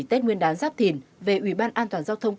dùng một thứ bao giờ